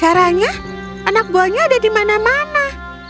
caranya anak buahnya ada di mana mana